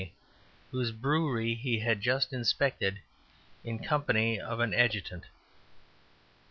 whose brewery he had just inspected in company of an adjutant.